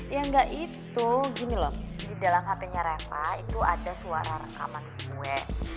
ya enggak itu gini loh di dalam hp nya reva itu ada suara rekaman gue